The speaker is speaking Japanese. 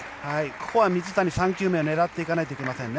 ここは水谷、３球目を狙っていかないといけませんね。